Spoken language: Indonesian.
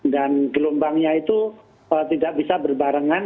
dan gelombangnya itu tidak bisa berbarengan